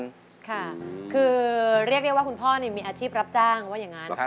ค่ะคือเรียกได้ว่าคุณพ่อมีอาชีพรับจ้างว่าอย่างนั้น